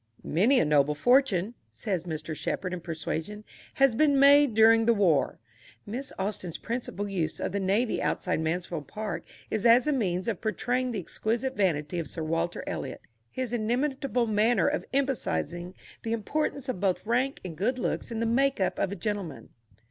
"Many a noble fortune," says Mr. Shepherd in Persuasion, "has been made during the war." Miss Austen's principal use of the Navy outside Mansfield Park is as a means of portraying the exquisite vanity of Sir Walter Elliott his inimitable manner of emphasizing the importance of both rank and good looks in the make up of a gentleman.